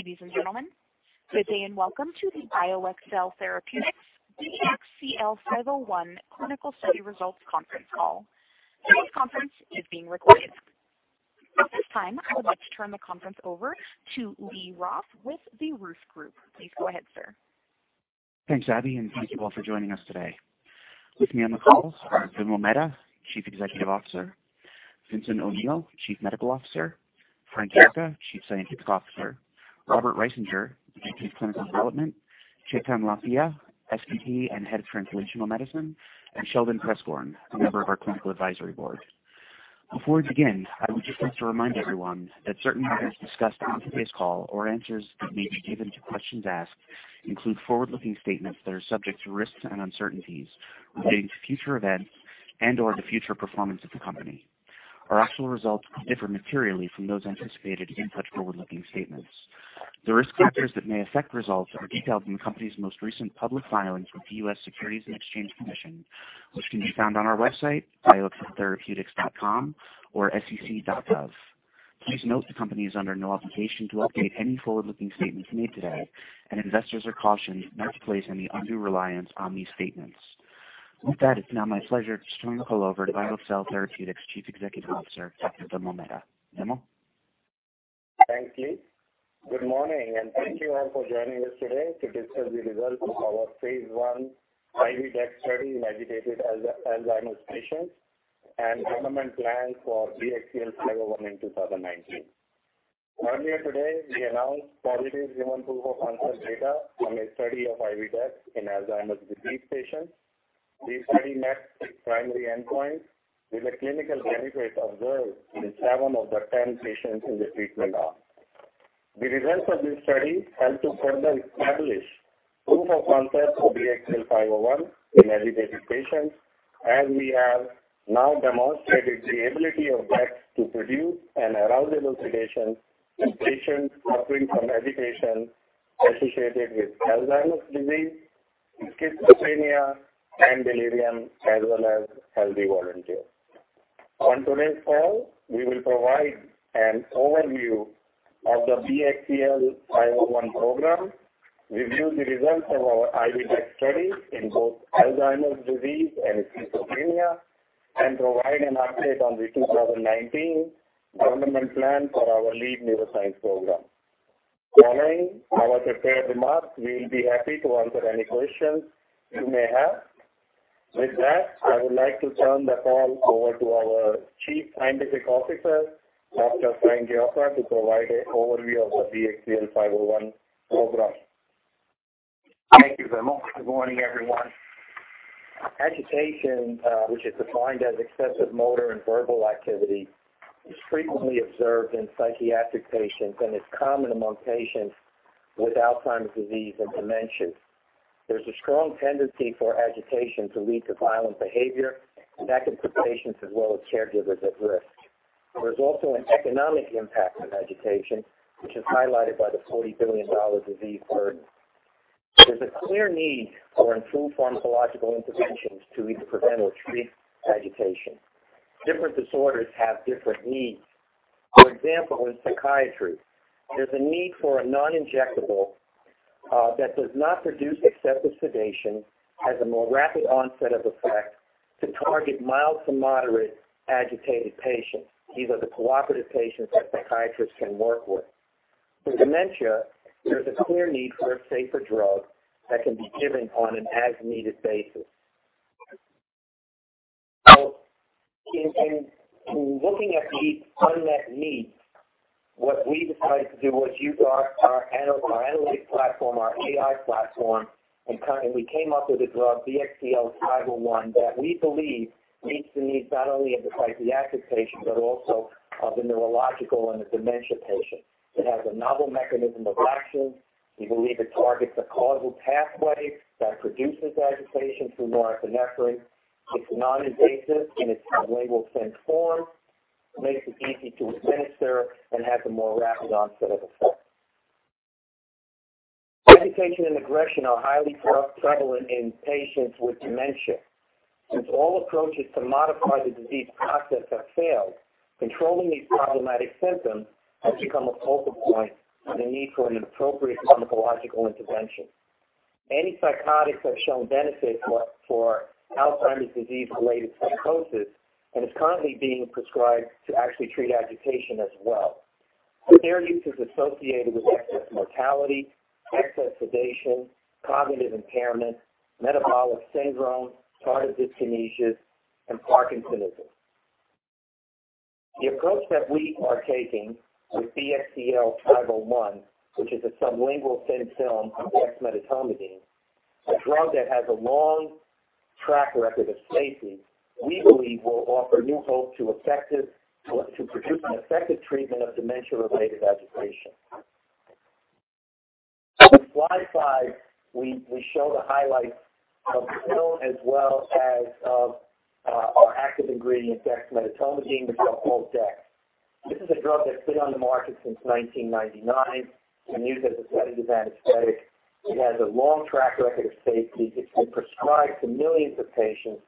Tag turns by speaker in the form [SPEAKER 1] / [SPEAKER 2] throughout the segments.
[SPEAKER 1] Ladies and gentlemen, good day, welcome to the BioXcel Therapeutics BXCL501 Clinical Study Results conference call. Today's conference is being recorded. At this time, I would like to turn the conference over to Lee Roth with The Ruth Group. Please go ahead, sir.
[SPEAKER 2] Thanks, Abby, thank you all for joining us today. With me on the call are Vimal Mehta, Chief Executive Officer; Vincent O'Neill, Chief Medical Officer; Frank Yocca, Chief Scientific Officer; Robert Risinger, the Chief of Clinical Development; Chetan Lathia, SVP and Head of Translational Medicine; and Sheldon Preskorn, a member of our clinical advisory board. Before we begin, I would just like to remind everyone that certain matters discussed on today's call or answers that may be given to questions asked include forward-looking statements that are subject to risks and uncertainties relating to future events and/or the future performance of the company. Our actual results could differ materially from those anticipated in such forward-looking statements. The risk factors that may affect results are detailed in the company's most recent public filings with the U.S. Securities and Exchange Commission, which can be found on our website, bioxceltherapeutics.com, or sec.gov. Please note the company is under no obligation to update any forward-looking statements made today, investors are cautioned not to place any undue reliance on these statements. With that, it's now my pleasure to turn the call over to BioXcel Therapeutics Chief Executive Officer, Dr. Vimal Mehta. Vimal?
[SPEAKER 3] Thanks, Lee. Good morning, thank you all for joining us today to discuss the results of our phase I IV dex study in agitated Alzheimer's patients and development plans for BXCL501 in 2019. Earlier today, we announced positive human proof-of-concept data from a study of IV dex in Alzheimer's disease patients. The study met its primary endpoint with a clinical benefit observed in seven of the 10 patients in the treatment arm. The results of this study help to further establish proof of concept for BXCL501 in agitated patients, we have now demonstrated the ability of dex to produce an arousable sedation in patients suffering from agitation associated with Alzheimer's disease, schizophrenia, and delirium, as well as healthy volunteers. On today's call, we will provide an overview of the BXCL501 program, review the results of our IV dex study in both Alzheimer's disease and schizophrenia, and provide an update on the 2019 development plan for our lead neuroscience program. Following our prepared remarks, we'll be happy to answer any questions you may have. With that, I would like to turn the call over to our Chief Scientific Officer, Dr. Frank Yocca, to provide an overview of the BXCL501 program.
[SPEAKER 4] Thank you, Vimal. Good morning, everyone. Agitation, which is defined as excessive motor and verbal activity, is frequently observed in psychiatric patients and is common among patients with Alzheimer's disease and dementia. There's a strong tendency for agitation to lead to violent behavior, and that can put patients as well as caregivers at risk. There's also an economic impact of agitation, which is highlighted by the $40 billion disease burden. There's a clear need for improved pharmacological interventions to either prevent or treat agitation. Different disorders have different needs. For example, in psychiatry, there's a need for a non-injectable that does not produce excessive sedation, has a more rapid onset of effect to target mild to moderate agitated patients. These are the cooperative patients that psychiatrists can work with. For dementia, there's a clear need for a safer drug that can be given on an as-needed basis. In looking at these unmet needs, what we decided to do was use our analytic platform, our AI platform, and we came up with a drug, BXCL501, that we believe meets the needs not only of the psychiatric patient but also of the neurological and the dementia patient. It has a novel mechanism of action. We believe it targets the causal pathway that produces agitation through norepinephrine. It's non-invasive in its sublingual thin film form, makes it easy to administer, and has a more rapid onset of effect. Agitation and aggression are highly prevalent in patients with dementia. Since all approaches to modify the disease process have failed, controlling these problematic symptoms has become a focal point for the need for an appropriate pharmacological intervention. Antipsychotics have shown benefit for Alzheimer's disease related psychosis and is currently being prescribed to actually treat agitation as well. Their use is associated with excess mortality, excess sedation, cognitive impairment, metabolic syndrome, tardive dyskinesia, and parkinsonism. The approach that we are taking with BXCL501, which is a sublingual thin film of dexmedetomidine, a drug that has a long track record of safety, we believe will offer new hope to produce an effective treatment of dementia-related agitation. On slide five, we show the highlights of the pill as well as of our active ingredient, dexmedetomidine, or called dex. This is a drug that's been on the market since 1999 and used as a sedative anesthetic. It has a long track record of safety. It's been prescribed to millions of patients.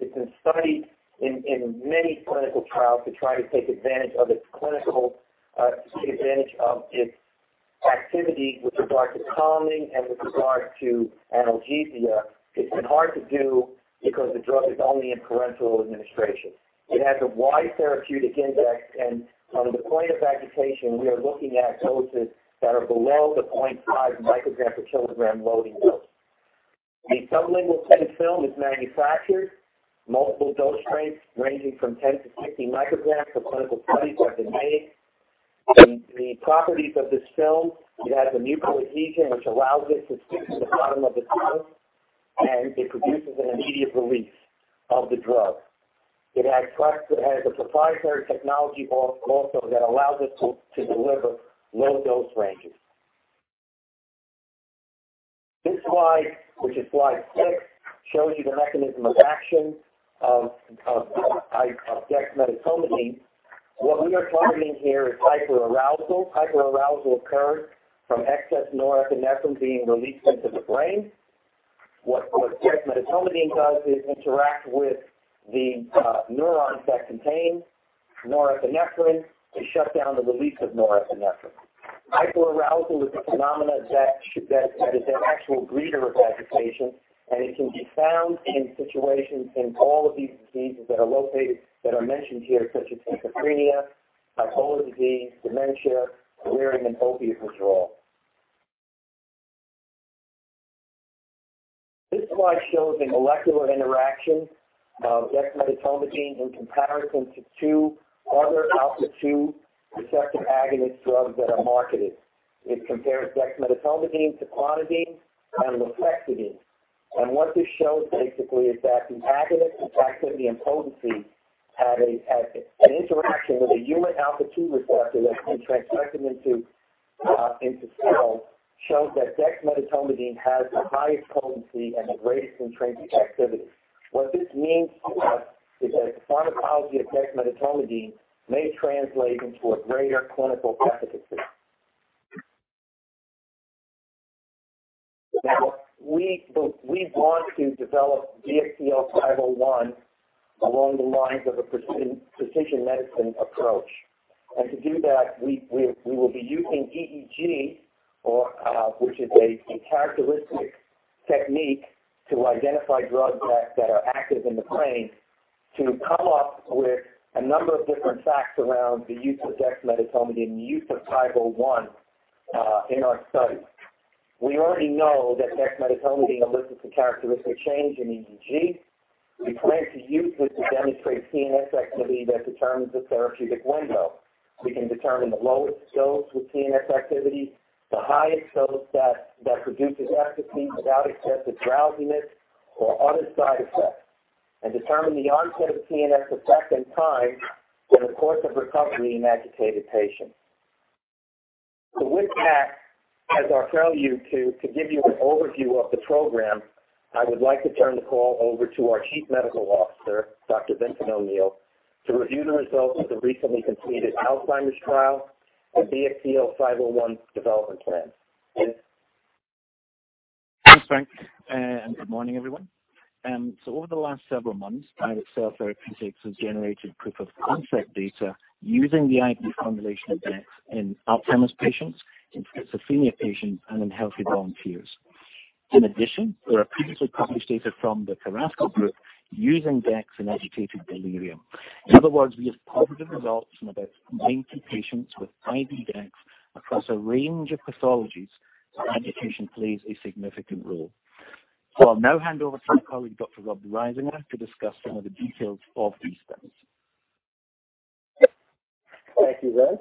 [SPEAKER 4] It's been studied in many clinical trials to try to take advantage of its activity with regard to calming and with regard to analgesia. It's been hard to do because the drug is only in parenteral administration. It has a wide therapeutic index and from the point of agitation, we are looking at doses that are below the 0.5 μg per kilogram loading dose. The sublingual thin film is manufactured, multiple dose strengths ranging from 10 to 50 μg for clinical studies have been made. The properties of this film, it has a mucoadhesive, which allows it to stick to the bottom of the tongue, and it produces an immediate release of the drug. It has a proprietary technology also that allows it to deliver low dose ranges. This slide, which is slide six, shows you the mechanism of action of dexmedetomidine. What we are targeting here is hyperarousal. Hyperarousal occurs from excess norepinephrine being released into the brain. What dexmedetomidine does is interact with the neurons that contain norepinephrine to shut down the release of norepinephrine. Hyperarousal is a phenomenon that is an actual breeder of agitation, and it can be found in situations in all of these diseases that are mentioned here, such as schizophrenia, bipolar disease, dementia, delirium, and opiate withdrawal. This slide shows the molecular interaction of dexmedetomidine in comparison to two other alpha-2 receptor agonist drugs that are marketed. It compares dexmedetomidine to clonidine and moxonidine. What this shows basically is that the agonist activity and potency have an interaction with a human alpha-2 receptor that's been transfected into cells, shows that dexmedetomidine has the highest potency and the greatest intrinsic activity. What this means to us is that the pharmacology of dexmedetomidine may translate into a greater clinical efficacy. Now, we want to develop BXCL501 along the lines of a precision medicine approach. To do that, we will be using EEG, which is a characteristic technique to identify drugs that are active in the brain to come up with a number of different facts around the use of dexmedetomidine and the use of 501 in our study. We already know that dexmedetomidine elicits a characteristic change in EEG. We plan to use this to demonstrate CNS activity that determines the therapeutic window. We can determine the lowest dose with CNS activity, the highest dose that produces efficacy without excessive drowsiness or other side effects, and determine the onset of CNS effect and time for the course of recovery in agitated patients. With that as our prelude to give you an overview of the program, I would like to turn the call over to our Chief Medical Officer, Dr. Vincent O'Neill, to review the results of the recently completed Alzheimer's trial and BXCL501's development plan. Vince?
[SPEAKER 5] Thanks, Frank, Good morning, everyone. Over the last several months, BioXcel Therapeutics has generated proof of concept data using the IV formulation of dex in Alzheimer's patients, in schizophrenia patients, and in healthy volunteers. In addition, there are previously published data from the Carrasco group using dex in agitated delirium. In other words, we have positive results from about 90 patients with IV dex across a range of pathologies where agitation plays a significant role. I'll now hand over to my colleague, Dr. Rob Risinger, to discuss some of the details of these studies.
[SPEAKER 6] Thank you, Vince.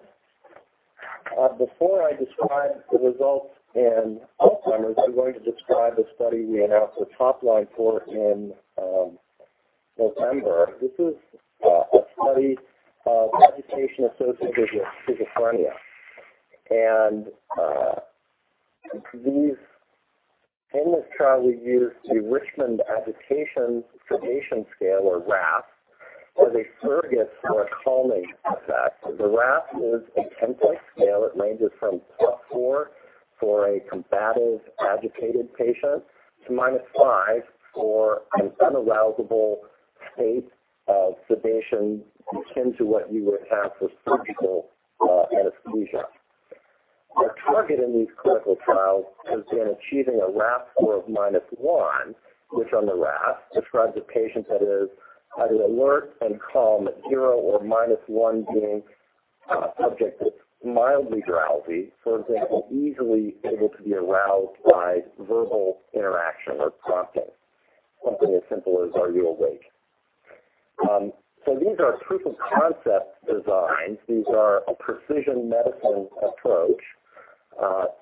[SPEAKER 6] Before I describe the results in Alzheimer's, I'm going to describe the study we announced the top line for in November. This is a study of agitation associated with schizophrenia. In this trial, we used the Richmond Agitation Sedation Scale, or RASS, as a surrogate for a calming effect. The RASS is a 10-point scale. It ranges from +4 for a combative, agitated patient to -5 for an unarousable state of sedation akin to what you would have for surgical anesthesia. Our target in these clinical trials has been achieving a RASS score of -1, which on the RASS describes a patient that is either alert and calm at 0 or -1 being a subject that's mildly drowsy. For example, easily able to be aroused by verbal interaction or prompting. Something as simple as, "Are you awake?" These are proof of concept designs. These are a precision medicine approach.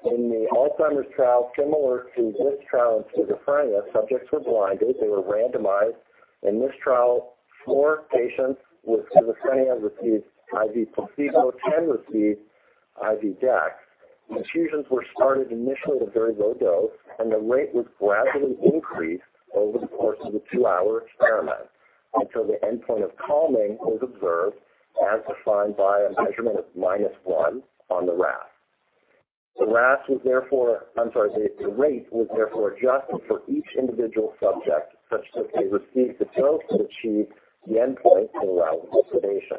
[SPEAKER 6] In the Alzheimer's trial, similar to this trial in schizophrenia, subjects were blinded, they were randomized. In this trial, four patients with schizophrenia received IV placebo, 10 received IV dex. Infusions were started initially at a very low dose, the rate would gradually increase over the course of the two-hour experiment until the endpoint of calming was observed, as defined by a measurement of -1 on the RASS. The rate was therefore adjusted for each individual subject such that they received the dose to achieve the endpoint for arousal and sedation.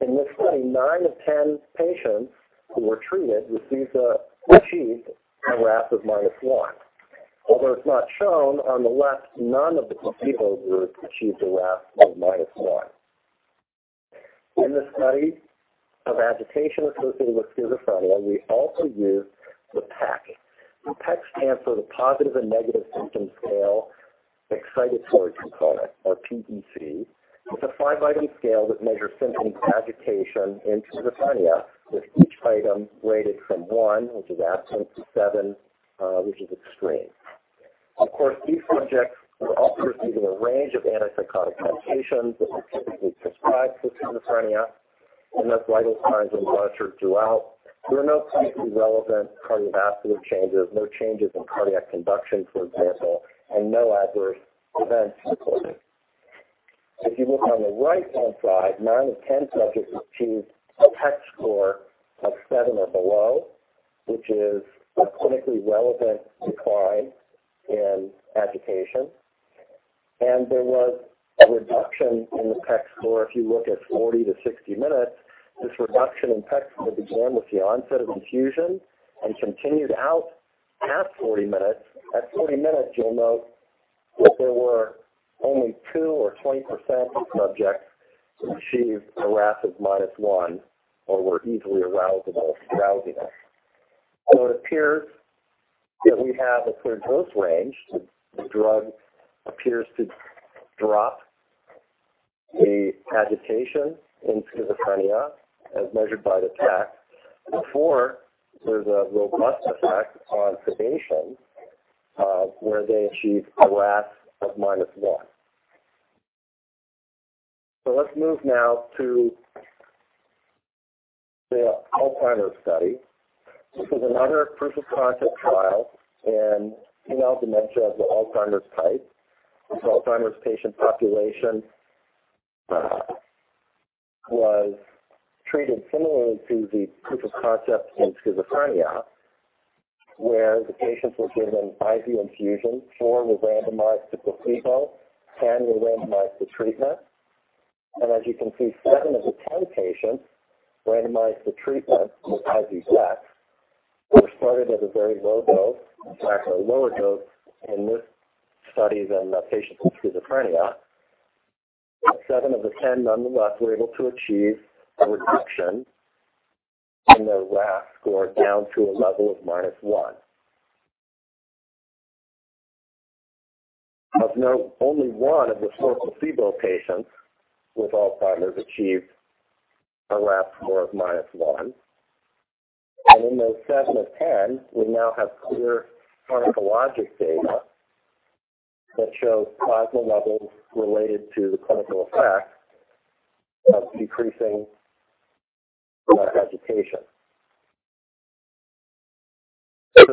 [SPEAKER 6] In this study, nine of 10 patients who were treated achieved a RASS of -1. Although it's not shown, on the left, none of the placebo group achieved a RASS of -1. In the study of agitation associated with schizophrenia, we also used the PEC. The PEC stands for the Positive and Negative Syndrome Scale-Excited Component, or PEC. It's a five-item scale that measures symptoms of agitation in schizophrenia, with each item rated from one, which is absent, to seven, which is extreme. Of course, these subjects were also receiving a range of antipsychotic medications that were typically prescribed for schizophrenia. Those vital signs were monitored throughout. There were no clinically relevant cardiovascular changes, no changes in cardiac conduction, for example, No adverse events reported. If you look on the right-hand side, nine of 10 subjects achieved a PEC score of seven or below, which is a clinically relevant decline in agitation. There was a reduction in the PEC score if you look at 40 to 60 minutes. This reduction in PEC score began with the onset of infusion and continued out past 40 minutes. At 40 minutes, you'll note that there were only 2 or 20% of subjects who achieved a RASS of -1 or were easily arousable if drowsy. It appears that we have a clear dose range. The drug appears to drop the agitation in schizophrenia as measured by the PEC. Before, there was a robust effect on sedation, where they achieved a RASS of -1. Let's move now to the Alzheimer's study. This is another proof-of-concept trial in mild dementia of the Alzheimer's type. This Alzheimer's patient population was treated similarly to the proof of concept in schizophrenia, where the patients were given IV infusion. Four were randomized to placebo, 10 were randomized to treatment. As you can see, 7 of the 10 patients randomized to treatment with IV dex, which started at a very low dose, in fact, a lower dose in this study than the patients with schizophrenia. 7 of the 10, nonetheless, were able to achieve a reduction in their RASS score down to a level of -1. Of note, only 1 of the 4 placebo patients with Alzheimer's achieved a RASS score of -1. In those 7 of 10, we now have clear pharmacologic data that shows plasma levels related to the clinical effect of decreasing agitation.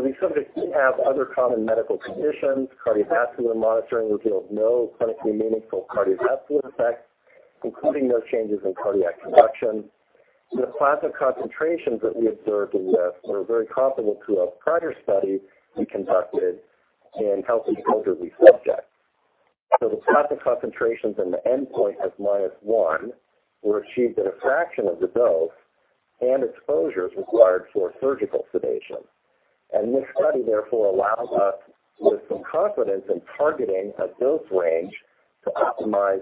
[SPEAKER 6] These subjects did have other common medical conditions. Cardiovascular monitoring revealed no clinically meaningful cardiovascular effects, including no changes in cardiac conduction. The plasma concentrations that we observed in this were very comparable to a prior study we conducted in healthy elderly subjects. The plasma concentrations and the endpoint of -1 were achieved at a fraction of the dose and exposures required for surgical sedation. This study therefore allows us with some confidence in targeting a dose range to optimize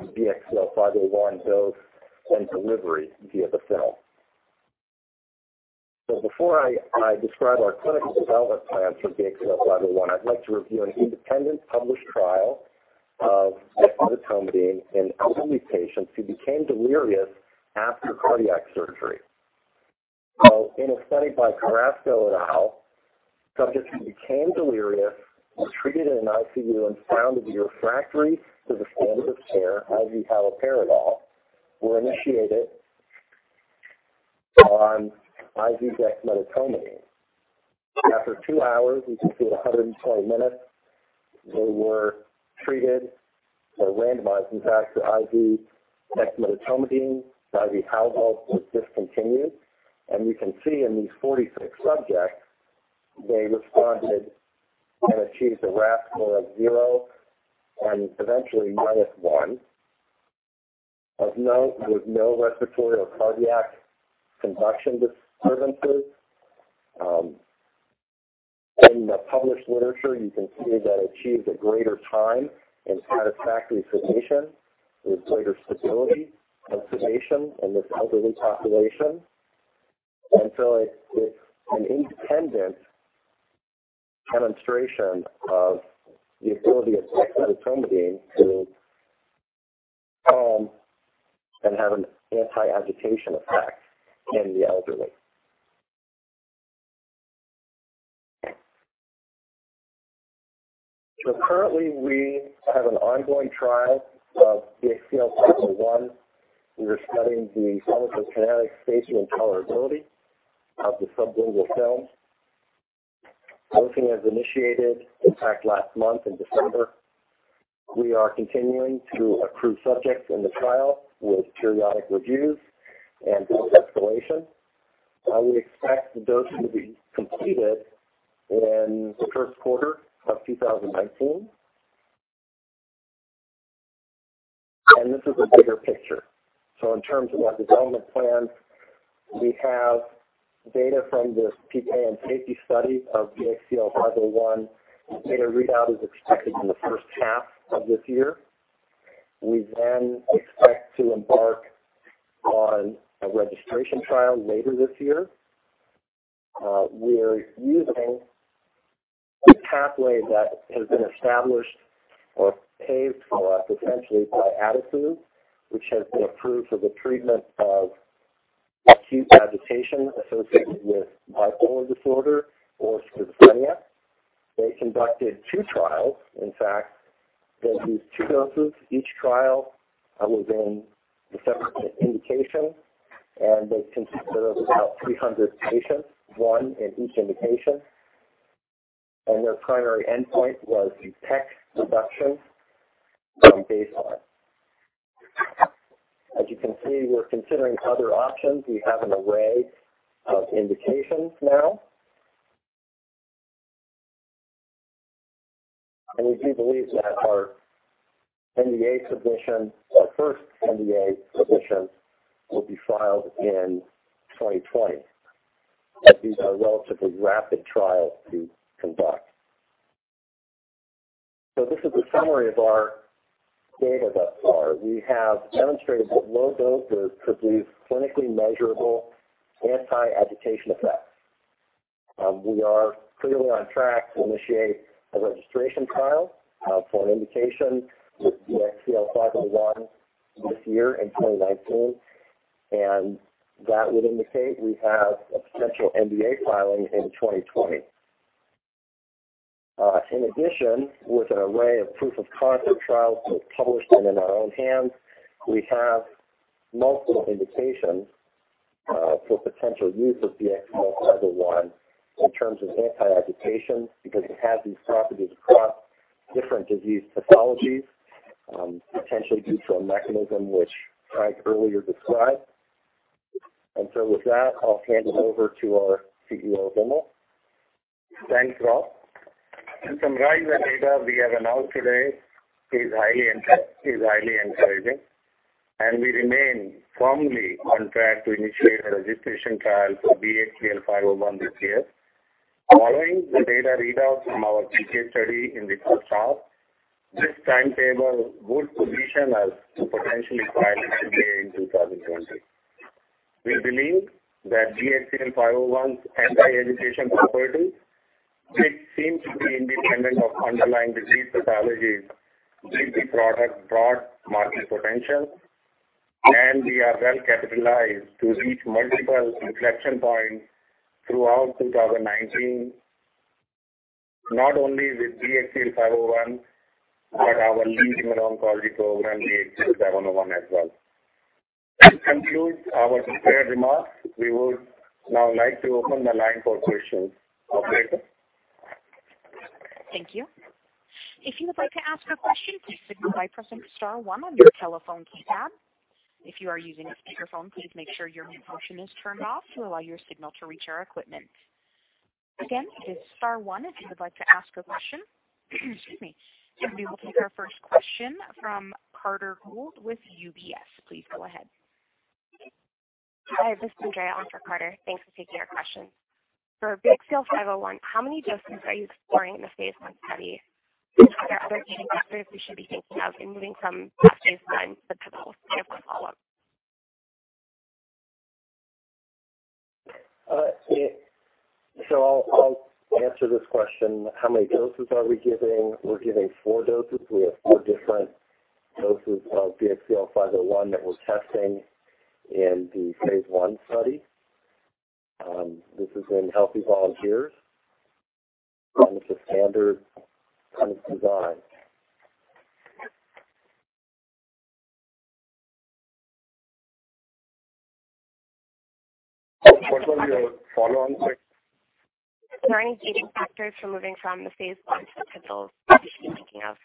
[SPEAKER 6] BXCL501 dose and delivery via the film. Before I describe our clinical development plans for BXCL501, I'd like to review an independent published trial of dexmedetomidine in elderly patients who became delirious after cardiac surgery. In a study by Carrasco et al., subjects who became delirious were treated in an ICU and found to be refractory to the standard of care, IV haloperidol, were initiated on IV dexmedetomidine. After 2 hours, we can see at 120 minutes, they were treated or randomized. In fact, the IV dexmedetomidine, IV haloperidol was discontinued. We can see in these 46 subjects, they responded and achieved a RASS score of 0 and eventually -1. Of note, there was no respiratory or cardiac conduction disturbances. In the published literature, you can see that it achieved a greater time in satisfactory sedation. There was greater stability and sedation in this elderly population. It's an independent demonstration of the ability of dexmedetomidine to calm and have an anti-agitation effect in the elderly. Currently, we have an ongoing trial of BXCL501. We are studying the pharmacokinetic, safety, and tolerability of the sublingual film. Dosing has initiated. In fact, last month in December. We are continuing to accrue subjects in the trial with periodic reviews and dose escalation. I would expect the dosing to be completed in the first quarter of 2019. This is the bigger picture. In terms of our development plans, we have data from this PK and safety study of BXCL501. Data readout is expected in the first half of this year. We expect to embark on a registration trial later this year. We're using the pathway that has been established or paved for us, essentially, by ADASUVE, which has been approved for the treatment of acute agitation associated with bipolar disorder or schizophrenia. They conducted two trials. In fact, they used two doses, each trial was in a separate indication, and they consisted of about 300 patients, one in each indication. Their primary endpoint was the PEC reduction from baseline. As you can see, we're considering other options. We have an array of indications now. We do believe that our first NDA submission will be filed in 2020, as these are relatively rapid trials to conduct. This is the summary of our data thus far. We have demonstrated that low doses produce clinically measurable anti-agitation effects. We are clearly on track to initiate a registration trial for an indication with BXCL501 this year in 2019, and that would indicate we have a potential NDA filing in 2020. In addition, with an array of proof-of-concept trials both published and in our own hands, we have multiple indications for potential use of BXCL501 in terms of anti-agitation, because it has these properties across different disease pathologies, potentially due to a mechanism which Frank earlier described. With that, I'll hand it over to our CEO, Vimal.
[SPEAKER 3] Thanks, Rob. In summary, the data we have announced today is highly encouraging, and we remain firmly on track to initiate a registration trial for BXCL501 this year. Following the data readout from our PK study in the first half, this timetable would position us to potentially file an NDA in 2020. We believe that BXCL501's anti-agitation property, which seems to be independent of underlying disease pathologies, gives the product broad market potential, and we are well capitalized to reach multiple inflection points throughout 2019, not only with BXCL501, but our leading oncology program, BXCL701 as well. That concludes our prepared remarks. We would now like to open the line for questions. Operator?
[SPEAKER 1] Thank you. If you would like to ask a question, please signal by pressing star one on your telephone keypad. If you are using a speakerphone, please make sure your mute function is turned off to allow your signal to reach our equipment. Again, it is star one if you would like to ask a question. Excuse me. We will take our first question from Carter Gould with UBS. Please go ahead.
[SPEAKER 7] Hi, this is Andrea on for Carter. Thanks for taking our question. For BXCL501, how many doses are you exploring in the phase I study? Are there other gating factors we should be thinking of in moving from phase I to pivotal? I have a follow-up.
[SPEAKER 6] I'll answer this question. How many doses are we giving? We're giving four doses. We have four different doses of BXCL501 that we're testing in the phase I study. This is in healthy volunteers with the standard design.
[SPEAKER 3] What was your follow on, sorry?
[SPEAKER 7] Are there any gating factors for moving from the phase I to the pivotal that we should be thinking of?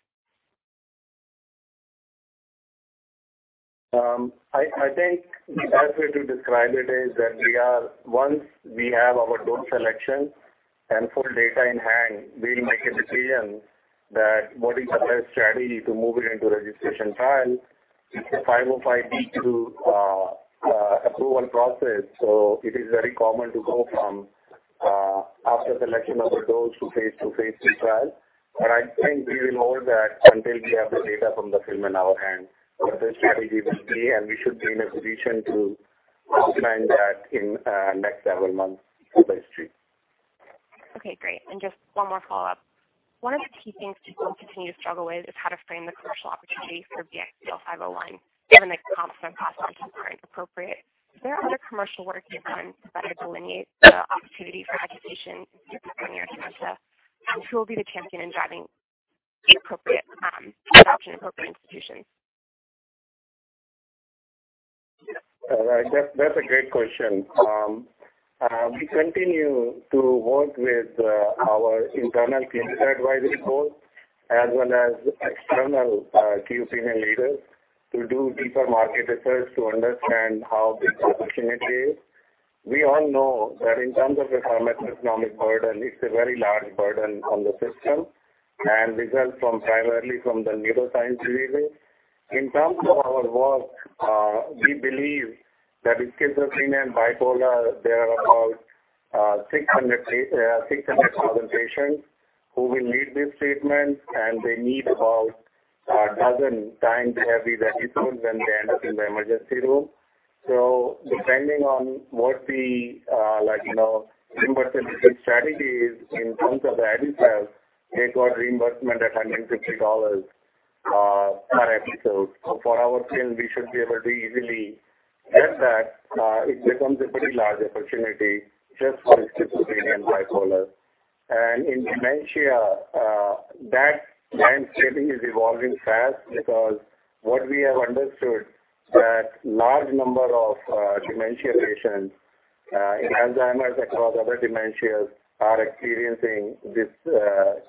[SPEAKER 3] I think the best way to describe it is that once we have our dose selection and full data in hand, we'll make a decision that what is the best strategy to move it into registration trial. It's a 505(b)(2) approval process, so it is very common to go from after selection of the dose to phase II trial. I think we will know that until we have the data from the film in our hand, what the strategy will be, and we should be in a position to outline that in next several months, Q3.
[SPEAKER 7] Okay, great. Just one more follow-up. One of the key things people continue to struggle with is how to frame the commercial opportunity for BXCL501, given the comps and processes aren't appropriate. Is there other commercial work you've done to better delineate the opportunity for agitation in your key opinion leader census, and who will be the champion in driving the adoption in appropriate institutions?
[SPEAKER 3] Right. That's a great question. We continue to work with our internal clinical advisory board as well as external key opinion leaders to do deeper market research to understand how big the opportunity is. We all know that in terms of the pharmacoeconomic burden, it's a very large burden on the system, and this is primarily from the neuroscience community. In terms of our work, we believe that in schizophrenia and bipolar, there are about 600,000 patients who will need this treatment, and they need about a dozen times [heavy than Epilim when they end up in the emergency room. Depending on what the reimbursement strategy is in terms of the ADASUVE, they got reimbursement at $150 per episode. For our film, we should be able to easily get that. It becomes a pretty large opportunity just for schizophrenia and bipolar. In dementia, that landscape is evolving fast because what we have understood that large number of dementia patients, in Alzheimer's across other dementias, are experiencing this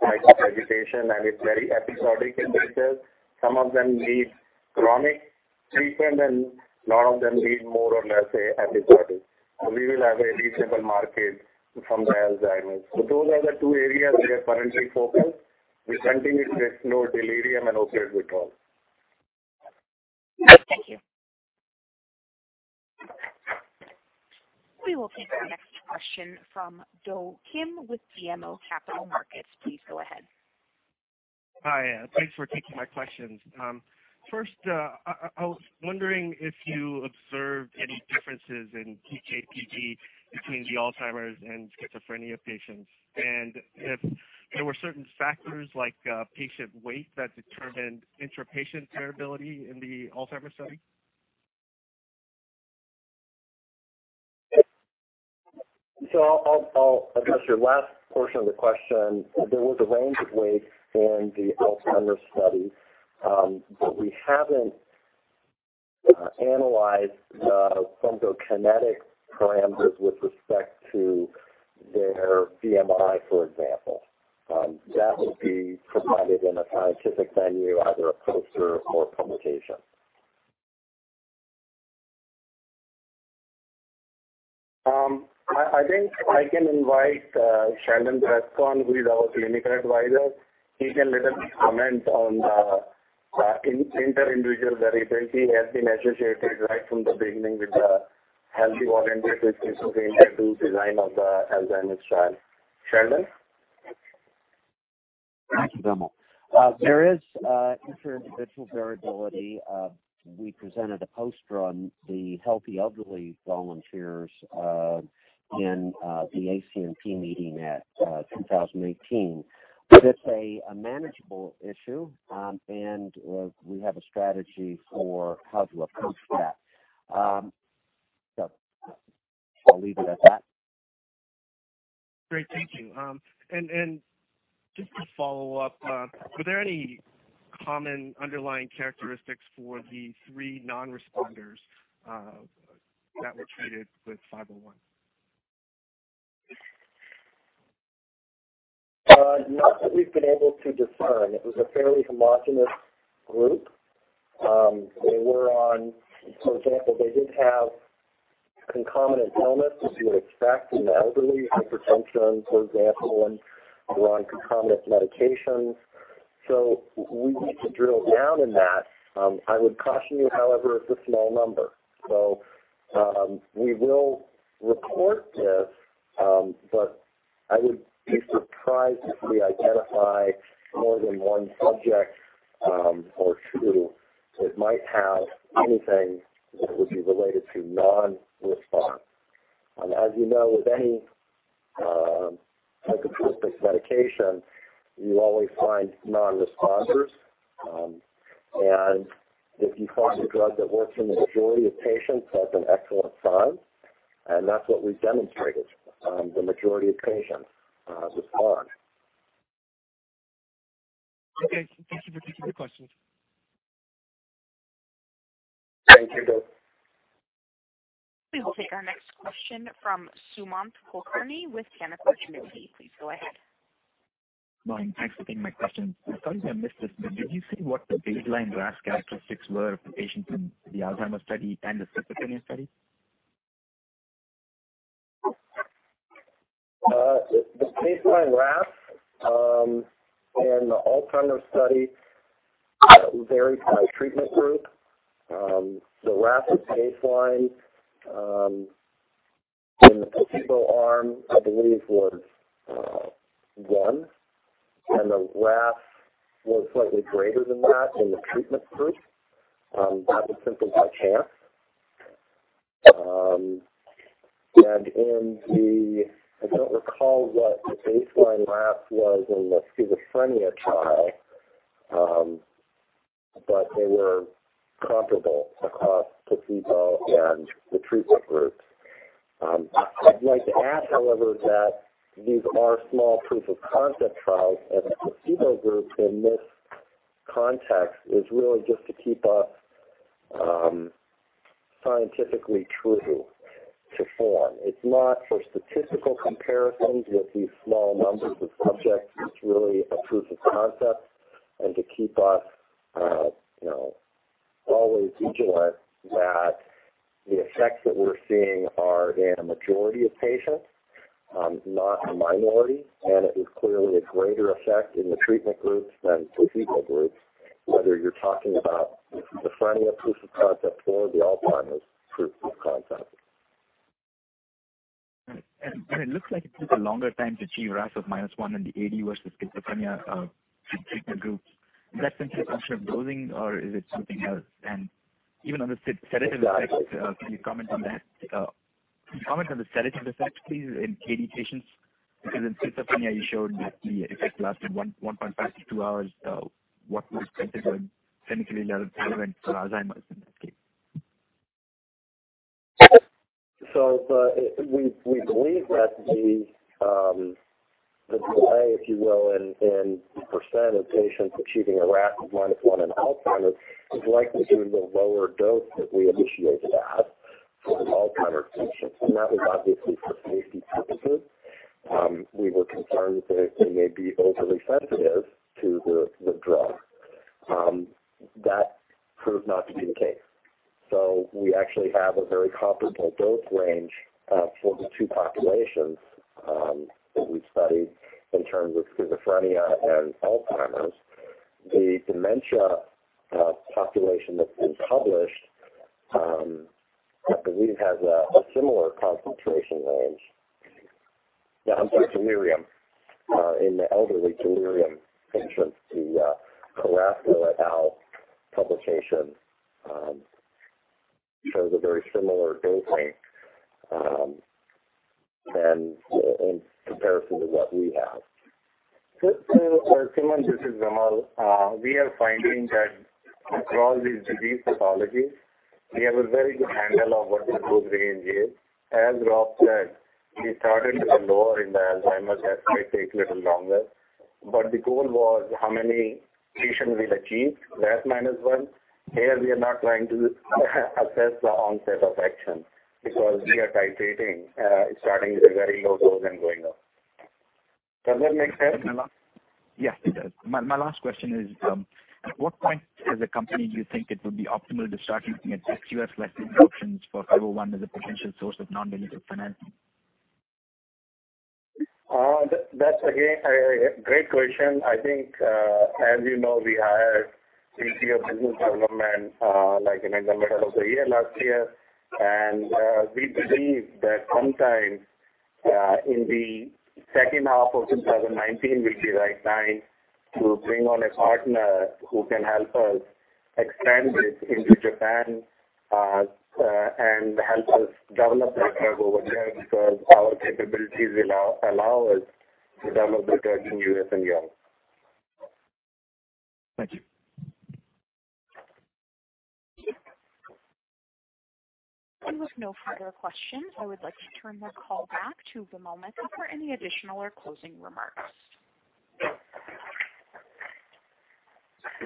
[SPEAKER 3] type of agitation, and it's very episodic in nature. Some of them need chronic treatment, and lot of them need more or less episodic. We will have a reachable market from the Alzheimer's. Those are the two areas we are currently focused. We continue to explore delirium and opioid withdrawal.
[SPEAKER 7] Thank you.
[SPEAKER 1] We will take our next question from Do Kim with BMO Capital Markets. Please go ahead.
[SPEAKER 8] Hi, thanks for taking my questions. First, I was wondering if you observed any differences in PK/PD between the Alzheimer's and schizophrenia patients, and if there were certain factors like patient weight that determined intra-patient variability in the Alzheimer's study.
[SPEAKER 6] I'll address your last portion of the question. There was a range of weight in the Alzheimer's study, but we haven't analyzed pharmacokinetic parameters with respect to their BMI, for example. That will be provided in a scientific venue, either a poster or a publication.
[SPEAKER 3] I think I can invite Sheldon Preskorn, who is our clinical advisor. He can little bit comment on the inter-individual variability as he has associated right from the beginning with the healthy volunteer, with the schizophrenia to design of the Alzheimer's trial. Sheldon?
[SPEAKER 9] Thank you, Vimal. There is inter-individual variability. We presented a poster on the healthy elderly volunteers in the ACNP meeting at 2018. It's a manageable issue, and we have a strategy for how to approach that. I'll leave it at that.
[SPEAKER 8] Great. Thank you. Just to follow up, were there any common underlying characteristics for the three non-responders that were treated with 501?
[SPEAKER 6] Not that we've been able to discern. It was a fairly homogeneous group. For example, they did have concomitant illness, as you would expect in the elderly, hypertension, for example, and were on concomitant medication. We need to drill down in that. I would caution you, however, it's a small number. We will report this, but I would be surprised if we identify more than one subject, or two, that might have anything that would be related to non-response. As you know, with any psychotropic medication, you always find non-responders. If you find a drug that works in the majority of patients, that's an excellent sign. That's what we've demonstrated. The majority of patients respond.
[SPEAKER 8] Okay. Thank you for taking the questions.
[SPEAKER 3] Thank you, Do.
[SPEAKER 1] We will take our next question from Sumant Kulkarni with Canaccord Genuity. Please go ahead.
[SPEAKER 10] Morning. Thanks for taking my questions. I'm sorry if I missed this, but did you say what the baseline RASS characteristics were for patients in the Alzheimer's study and the schizophrenia study?
[SPEAKER 6] The baseline RASS in the Alzheimer's study varied by treatment group. The RASS at baseline in the placebo arm, I believe, was one, and the RASS was slightly greater than that in the treatment group. That was simply by chance. I don't recall what the baseline RASS was in the schizophrenia trial, but they were comparable across placebo and the treatment group. I'd like to add, however, that these are small proof-of-concept trials, and the placebo group in this context is really just to keep us scientifically true to form. It's not for statistical comparisons with these small numbers of subjects. It's really a proof of concept and to keep us always vigilant that the effects that we're seeing are in a majority of patients, not a minority. It is clearly a greater effect in the treatment groups than placebo groups, whether you're talking about the schizophrenia proof of concept or the Alzheimer's proof of concept.
[SPEAKER 10] It looks like it took a longer time to achieve RASS of -1 in the AD versus schizophrenia in treatment groups. Is that simply a function of dosing, or is it something else? Even on the sedative effects, can you comment on that? Can you comment on the sedative effects, please, in AD patients? Because in schizophrenia, you showed that the effect lasted 1.5 to 2 hours. What was considered clinically relevant for Alzheimer's in that case?
[SPEAKER 6] We believe that the delay, if you will, in percent of patients achieving a RASS of -1 in Alzheimer's is likely due to the lower dose that we initiated at for the Alzheimer's patients, and that was obviously for safety purposes. We were concerned that they may be overly sensitive to the drug. That proved not to be the case. We actually have a very comparable dose range for the two populations that we studied in terms of schizophrenia and Alzheimer's. The dementia population that's been published, I believe, has a similar concentration range. Yeah, I'm sorry, delirium. In the elderly delirium patients, the Carrasco et al. publication shows a very similar dose range in comparison to what we have.
[SPEAKER 3] Sumant, this is Vimal. We are finding that across these disease pathologies, we have a very good handle of what the dose range is. As Rob said, we started with a lower in the Alzheimer's, that may take little longer. The goal was how many patients we'll achieve, RASS -1. Here, we are not trying to assess the onset of action because we are titrating, starting with a very low dose and going up. Does that make sense?
[SPEAKER 10] Yes, it does. My last question is, at what point as a company do you think it would be optimal to start looking at US licensing options for 501 as a potential source of non-dilutive financing?
[SPEAKER 3] That's, again, a great question. I think, as you know, we hired a VP of business development, like an end of the year last year. We believe that sometime in the second half of 2019 will be the right time to bring on a partner who can help us expand this into Japan and help us develop the drug over there because our capabilities allow us to develop the drug in U.S., and Europe.
[SPEAKER 10] Thank you.
[SPEAKER 1] We have no further questions. I would like to turn the call back to Vimal Mehta for any additional or closing remarks.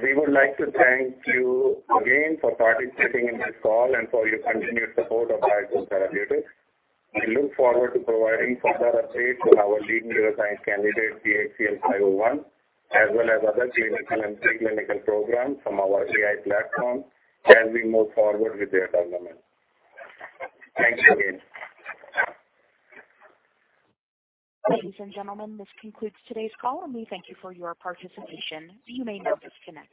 [SPEAKER 3] We would like to thank you again for participating in this call and for your continued support of BioXcel Therapeutics. We look forward to providing further updates on our lead neuroscience candidate, BXCL501, as well as other clinical and pre-clinical programs from our AI platform as we move forward with their development. Thanks again.
[SPEAKER 1] Ladies and gentlemen, this concludes today's call, and we thank you for your participation. You may now disconnect.